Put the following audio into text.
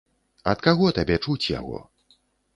Ад каго табе чуць яго?